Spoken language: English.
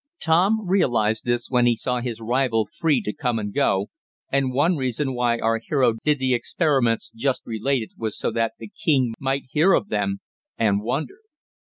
Tom realized this when he saw his rival free to come and go, and one reason why our hero did the experiments just related was so that the king might hear of them, and wonder.